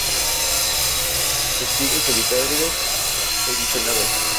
Espigas solitarias; pediceladas.